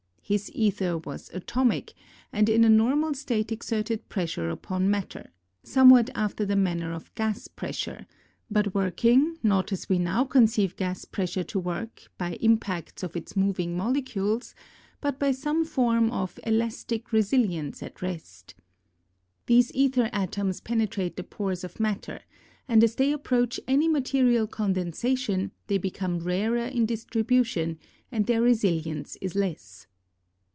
His aether was atomic, and in a normal state exerted pressure upon matter, somewhat after the manner of gas pressure, but working, not as we now conceive gas pressure to work, by impacts of its moving molecules, but by some form of elastic resilience at rest. These aether atoms penetrate the pores of matter, and as they approach any material condensation they become rarer in distribution, and their resilience is less.